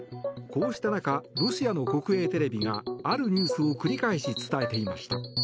こうした中ロシアの国営テレビがあるニュースを繰り返し伝えていました。